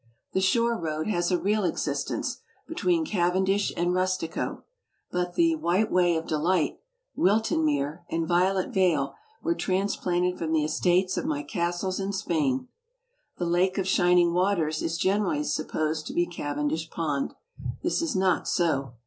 The "Shore Road" has a real existence, be tween Cavendish and Rustico. But the "White Way of De light," "Wilionmere," and "Violet Vale" were trans planted from the estates of my castles in Spain. "The Lake of Shining Waters" is generally supposed to be Cavendish Pond. This is not so.